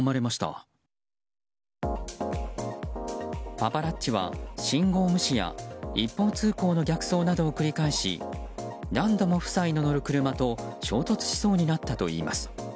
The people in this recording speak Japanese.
パパラッチは信号無視や一方通行の逆走などを繰り返し何度も夫妻の乗る車と衝突しそうになったといいます。